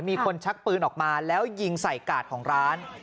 มีคนชักปืนออกมาแล้วยิงใส่กาดของร้าน